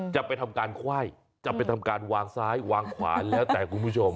จะไปทำการไขว้จะไปทำการวางซ้ายวางขวานแล้วแต่คุณผู้ชม